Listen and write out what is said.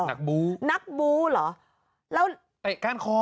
นักบูนักบูเหรอแล้วเตะก้านคอ